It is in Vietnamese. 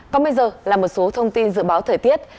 còn bây giờ là một số thông tin dự báo thời tiết